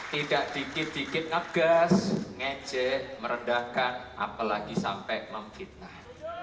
tidak dikit dikit ngegas ngejek merendahkan apalagi sampai memfitnah